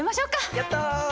やった！